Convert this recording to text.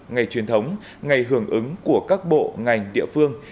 ngày truyền thống ngày hưởng ứng của các bộ ngành địa phương